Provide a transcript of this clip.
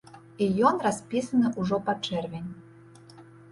І ён распісаны ўжо па чэрвень.